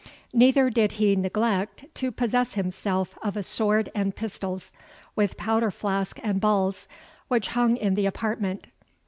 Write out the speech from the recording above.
Neither did he neglect to possess himself of a sword and pistols, with powder flask and balls, which hung in the apartment.